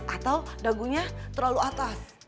atau dagunya terlalu atas